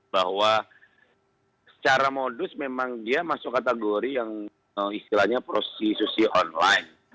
bahwa secara modus memang dia masuk kategori yang istilahnya prostitusi online